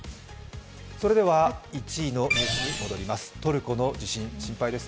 それでは１位のニュースに戻ります